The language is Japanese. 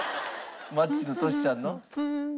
マッチとトシちゃんの？